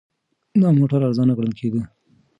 دا موټر ارزانه ګڼل کېده.